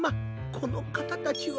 このかたたちは。